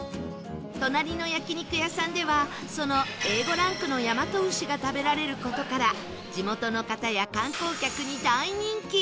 隣の焼肉屋さんではその Ａ５ ランクの大和牛が食べられる事から地元の方や観光客に大人気